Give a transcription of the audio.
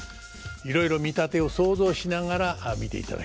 いろいろ見立てを想像しながら見ていただきましょう。